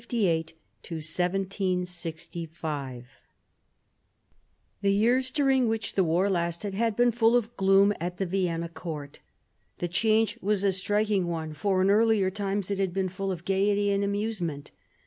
4 % CHAPTER IX DOMESTIC AFFAIRS 1758 1765 The years during which the war lasted had been full of gloom at the Vienna court. The change was a striking one ; for in earlier times it had been full of gaiety and amusement.